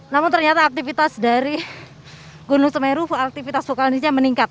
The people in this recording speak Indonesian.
namun ternyata aktivitas dari gunung semeru aktivitas vulkanisnya meningkat